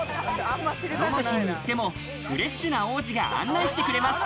どの日に行ってもフレッシュな王子が案内してくれます。